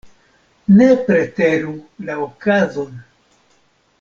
Ne preteru la okazon.